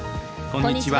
こんにちは。